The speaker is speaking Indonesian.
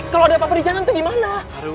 kalau ada apa apa di jalan itu gimana